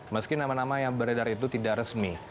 meski nama nama yang beredar itu tidak resmi